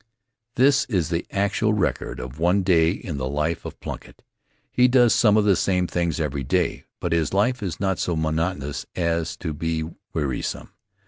That is the actual record of one day in the life Of Plunkitt. He does some of the same things every day, but his life is not so monotonous as to be wearisome.